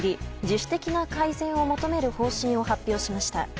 自主的な改善を求める方針を発表しました。